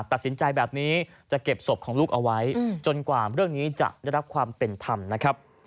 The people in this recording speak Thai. ตัดสินใจแบบนี้จะเก็บศพของลูกเอาไว้จนกว่าเรื่องนี้จะได้รับความเป็นธรรมนะครับ